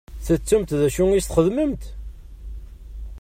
Tettumt d acu i s-txedmemt?